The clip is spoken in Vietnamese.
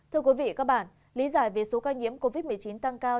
thưa quý vị và các bạn lý giải về số ca nhiễm covid một mươi chín tăng cao